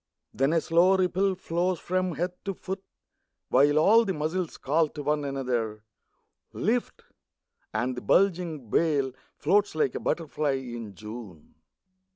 Then a slow ripple flows along the body, While all the muscles call to one another :" Lift !" and the bulging bale Floats like a butterfly in June.